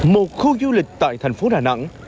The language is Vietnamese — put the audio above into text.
một khu du lịch tại thành phố đà nẵng